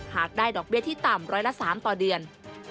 หากได้ดอกเบี้ยที่ต่ำร้อยละ๓ต่อเดือน